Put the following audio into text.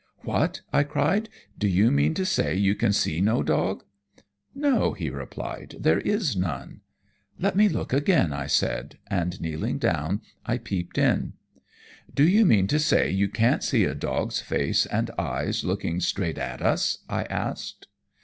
"What!" I cried, "do you mean to say you can see no dog?" "No!" he replied, "there is none!" "Let me look again!" I said, and kneeling down, I peeped in. "Do you mean to say you can't see a dog's face and eyes looking straight at us?" I asked.